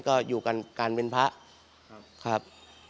ก็อยู่กันการเป็นพระครับ